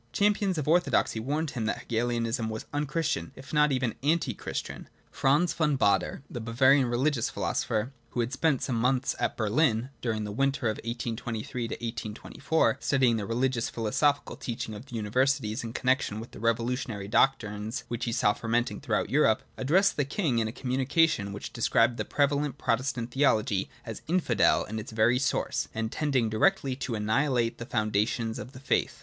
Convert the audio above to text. Champions of orthodoxy warned him that Hegelianism was unchristian, if not even anti christian. Franz von Baader, the Bavarian religious philosopher (who had spent some months at Berhn during the winter of 1823 4, studying the rehgious and philosophical teaching of the universities in connection with the revolutionary doctrines which he saw fermenting throughout Europe), addressed the king in a communication which described the prevalent Protestant theology as infidel in its very source, and as tending directly to annihilate the foun dations of the faith.